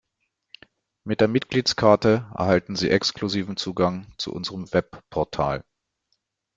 Mit der Mitgliedskarte erhalten Sie exklusiven Zugang zu unserem Webportal.